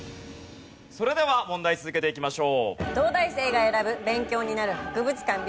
それでは問題続けていきましょう。